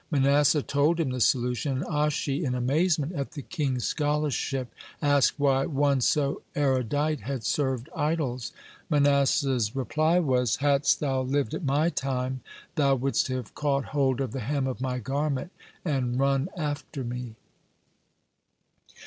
Manasseh told him the solution, and Ashi, in amazement at the king's scholarship, asked why one so erudite had served idols. Manasseh's reply was: "Hadst thou lived at my time, thou wouldst have caught hold of the hem of my garment and run after me."